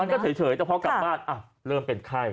ก็เฉยแต่พอกลับบ้านเริ่มเป็นไข้